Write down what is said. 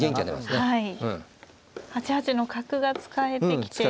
８八の角が使えてきて。